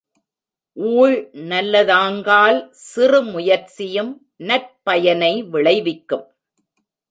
ஊழ் நல்லதாங்கால் சிறு முயற்சியும் நற்பயனை விளைவிக்கும்.